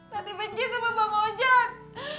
tadi benci sama bang ojek